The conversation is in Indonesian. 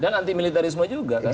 dan anti militarisme juga kan